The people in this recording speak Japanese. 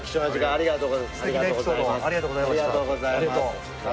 ありがとうございます。